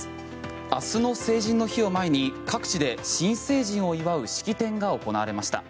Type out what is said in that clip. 明日の成人の日を前に各地で新成人を祝う式典が行われました。